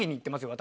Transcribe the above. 私。